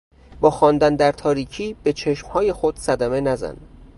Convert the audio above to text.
با خواندن در تاریکی به چشمهای خود صدمه نزن.